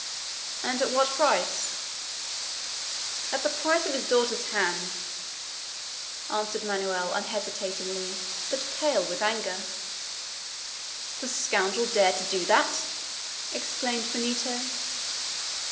"And at what price?" "At the price of his daughter's hand!" answered Manoel unhesitatingly, but pale with anger. "The scoundrel dared to do that!" exclaimed Benito.